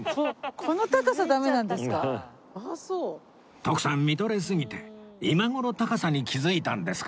徳さん見とれすぎて今頃高さに気づいたんですか？